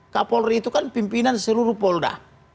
kak polri itu kan pimpinan seluruh polda